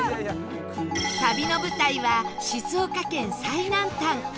旅の舞台は静岡県最南端